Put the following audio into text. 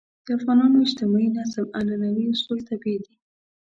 د افغانانو اجتماعي نظم عنعنوي اصول طبیعي دي.